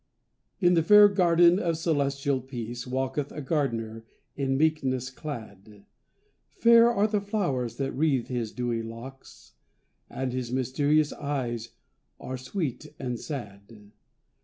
In the fair garden of celestial peace Walketh a Gardener in meekness clad; Fair are the flowers that wreathe his dewy locks, And his mysterious eyes are sweet and sad.